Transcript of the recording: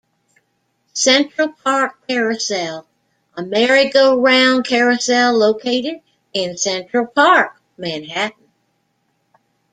Central Park Carousel: A merry-go-round carousel located in Central Park, Manhattan.